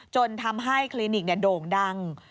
จนทำให้คลินิกโด่งดัง